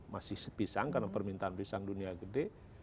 masih pisang karena permintaan pisang dunia gede